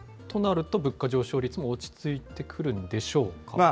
となると、物価上昇率も落ち着いてくるんでしょうか？